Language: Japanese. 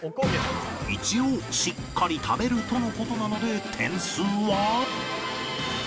一応しっかり食べるとの事なので